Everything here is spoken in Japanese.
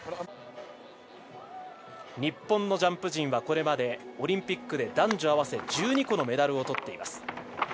日本のジャンプ陣はこれまでオリンピックで男女合わせて１２個のメダルをとっています。